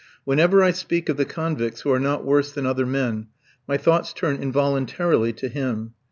Whenever I speak of the convicts who are not worse than other men, my thoughts turn involuntarily to him.